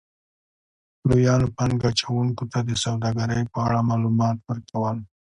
-لویو پانګه اچونکو ته د سوداګرۍ په اړه مالومات ورکو ل